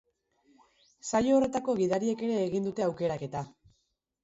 Saio horretako gidariek ere egin dute aukeraketa.